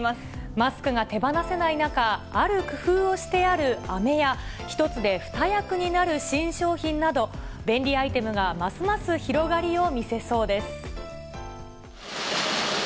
マスクが手放せない中、ある工夫をしてあるあめや、１つで２役になる新商品など、便利アイテムがますます広がりを見せそうです。